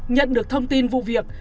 nhận được thông tin vụ việc